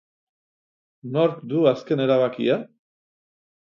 Nork du azken erabakia?